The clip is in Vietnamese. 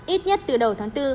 ít nhất từ đầu tháng bốn